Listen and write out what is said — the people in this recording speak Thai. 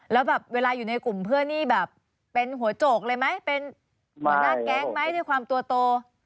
แล้วแบบเวลาอยู่ในกลุ่มเพื่อนนี่แบบเป็นหัวโจกเลยไหมเป็นหัวหน้าแก๊งไหมด้วยความตัวโต